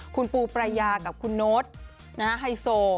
คุณปูปรายากับคุณโน๊ตไฮโซ